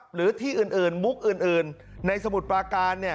หรือที่อื่นมุกอื่นในสมุทรปราการ